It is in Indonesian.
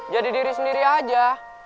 jadi diri sendiri aja